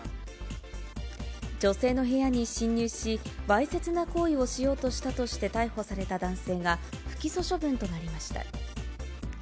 女性の部屋に侵入し、わいせつな行為をしようとしたとして逮捕された男性が、不起訴処分となりました。